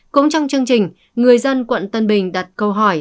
cũng trong chương trình người dân quận tân bình đặt câu hỏi